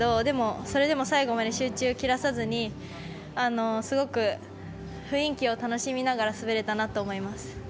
でも、それでも最後まで集中、切らさずにすごく雰囲気を楽しみながら滑れたなって思います。